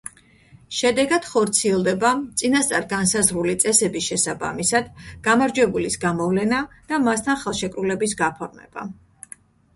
შედეგად, ხორციელდება, წინასწარ განსაზღვრული წესების შესაბამისად, გამარჯვებულის გამოვლენა და მასთან ხელშეკრულების გაფორმება.